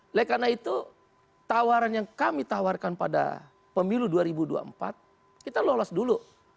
oleh karena itu tawaran yang kami tawarkan pada pemilu dua ribu dua puluh empat kita lolos dulu